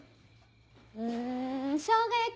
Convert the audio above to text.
うんしょうが焼き？